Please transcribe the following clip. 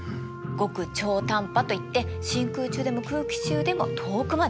極超短波といって真空中でも空気中でも遠くまで伝わるの。